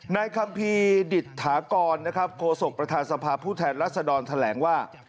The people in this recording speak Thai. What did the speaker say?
คัมภีร์ดิตถากรนะครับโฆษกประธานสภาพผู้แทนรัศดรแถลงว่า